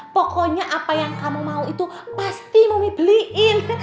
pokoknya apa yang kamu mau itu pasti mami beliin